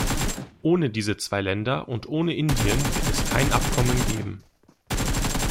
Ohne diese zwei Länder und ohne Indien wird es kein Abkommen geben.